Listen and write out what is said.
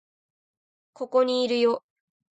ここにいるよ